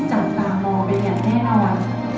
สวัสดีครับทุกคน